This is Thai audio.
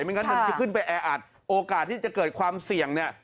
งั้นมันจะขึ้นไปแออัดโอกาสที่จะเกิดความเสี่ยงเนี่ย